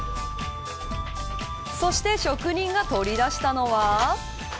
そして職人が取り出したのは。